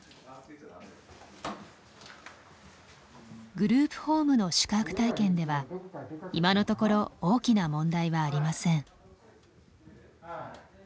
グループホームの宿泊体験では今のところ大きな問題はありません。